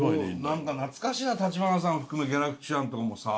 何か懐かしいな立花さん含めギャラクシアンとかもさ。